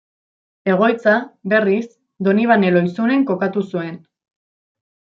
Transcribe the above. Egoitza, berriz, Donibane Lohizunen kokatu zuen.